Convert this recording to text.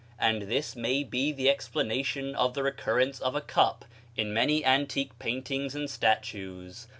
And this may be the explanation of the recurrence of a cup in many antique paintings and statues.